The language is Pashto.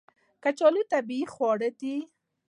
کچالو طبیعي خواړه دي